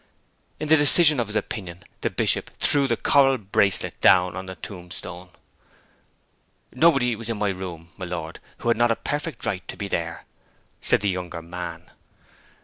In the decision of his opinion the Bishop threw the coral bracelet down on a tombstone. 'Nobody was in my room, my lord, who had not a perfect right to be there,' said the younger man.